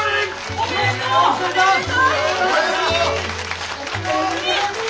おめでとう！かよ